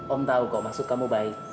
om tahu kok maksud kamu baik